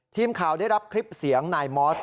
ทีมข่าวได้รับคลิปเสียงนายมอส